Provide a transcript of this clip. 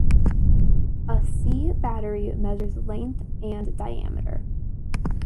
A 'C' battery measures length and diameter.